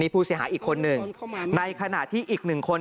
ผู้เสียหายอีกคนหนึ่งในขณะที่อีกหนึ่งคน